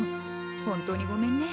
本当にごめんね。